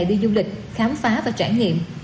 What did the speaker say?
đi du lịch khám phá và trải nghiệm